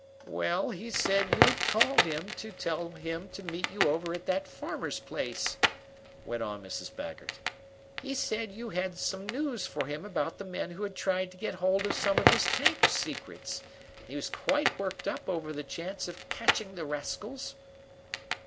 "Well, he said you had called him to tell him to meet you over at that farmer's place," went on Mrs. Baggert. "He said you had some news for him about the men who had tried to get hold of some of his tank secrets, and he was quite worked up over the chance of catching the rascals."